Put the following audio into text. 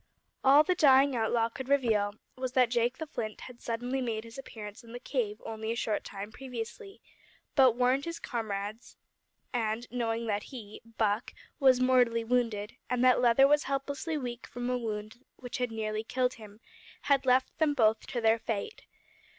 All that the dying outlaw could reveal was that Jake the Flint had suddenly made his appearance in the cave only a short time previously, had warned his comrades, and, knowing that he (Buck) was mortally wounded, and that Leather was helplessly weak from a wound which had nearly killed him, had left them both to their fate.